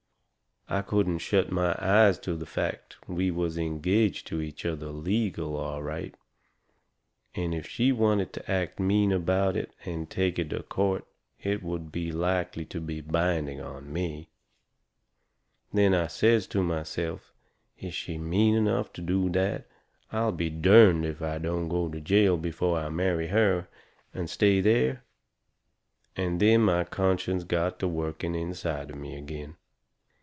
I couldn't shut my eyes to the fact we was engaged to each other legal, all right. And if she wanted to act mean about it and take it to a court it would likely be binding on me. Then I says to myself is she is mean enough to do that I'll be derned if I don't go to jail before I marry her, and stay there. And then my conscience got to working inside of me agin.